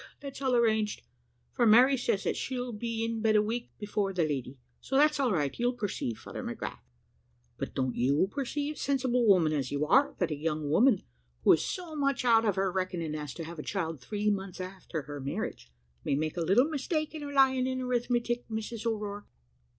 that's all arranged; for Mary says that she'll be in bed a week before the lady, so that's all right, you'll perceive, Father McGrath.' "`But don't you perceive, sensible woman as you are, that a young woman, who is so much out of her reckoning as to have a child three months after her marriage, may make a little mistake in her lying in arithmetic, Mrs O'Rourke?'